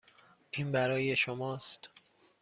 این برای شماست.